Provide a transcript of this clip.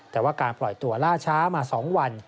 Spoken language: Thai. แต่ว่าการปล่อยตัวล่าช้ามา๒วัน